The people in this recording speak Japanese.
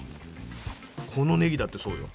このねぎだってそうよ。